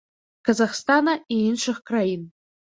Казахстана і іншых краін.